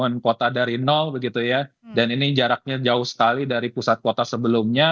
dengan kota dari nol begitu ya dan ini jaraknya jauh sekali dari pusat kota sebelumnya